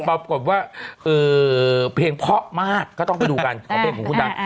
ปรากฏว่าเพลงเพราะมากก็ต้องไปดูกันของเพลงของคุณดัง